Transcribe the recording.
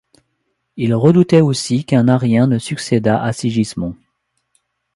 Il redoutait aussi qu’un arien ne succédât à Sigismond.